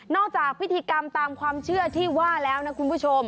จากพิธีกรรมตามความเชื่อที่ว่าแล้วนะคุณผู้ชม